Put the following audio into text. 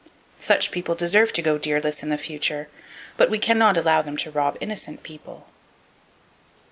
Such people deserve to go deerless into the future; but we can not allow them to rob innocent people.